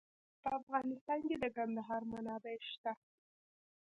په افغانستان کې د کندهار منابع شته.